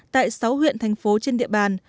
tại sáu huyện thành phố trên địa bàn